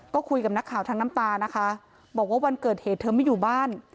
ก็คุยกับนักข่าวทั้งน้ำตานะคะบอกว่าวันเกิดเหตุเธอไม่อยู่บ้าน